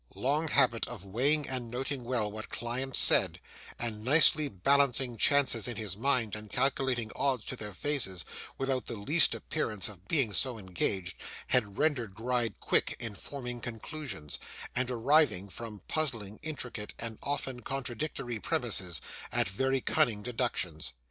Long habit of weighing and noting well what clients said, and nicely balancing chances in his mind and calculating odds to their faces, without the least appearance of being so engaged, had rendered Gride quick in forming conclusions, and arriving, from puzzling, intricate, and often contradictory premises, at very cunning deductions.